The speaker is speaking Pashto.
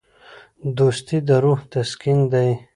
دوستي د روح تسکین دی.